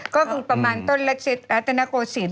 ก็คือประมาณต้นเล็กรัฐนโกศิลป